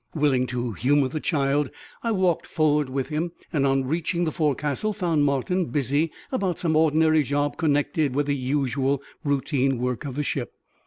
Willing to humour the child, I walked forward with him; and on reaching the forecastle found Martin busy about some ordinary job connected with the usual routine work of the ship.